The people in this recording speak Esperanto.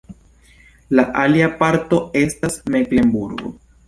La alia parto estas Meklenburgo.